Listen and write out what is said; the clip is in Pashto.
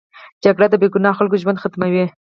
جګړه د بې ګناه خلکو ژوند ختموي